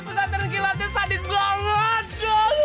pesantren gila sadis banget